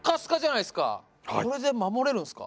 これこれで守れるんですか？